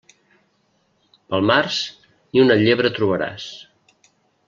Pel març, ni una llebre trobaràs.